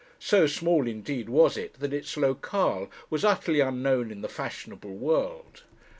So small, indeed, was it, that its locale was utterly unknown in the fashionable world.